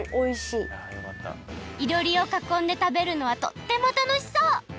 いろりをかこんでたべるのはとっても楽しそう。